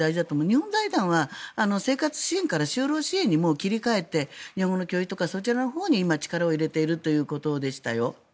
日本財団は生活支援から就労支援にもう切り替えて日本語の教育とかそっちのほうに今力を入れているということでしたよ。